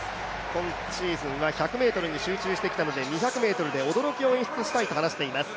今シーズンは１００ｍに集中してきたので、２００ｍで驚きを演出したいと話しています。